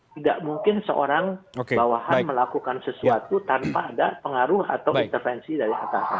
tidak mungkin seorang bawahan melakukan sesuatu tanpa ada pengaruh atau intervensi dari atas